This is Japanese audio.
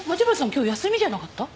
今日休みじゃなかった？